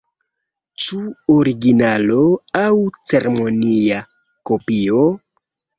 Ĉu originalo aŭ ceremonia kopio?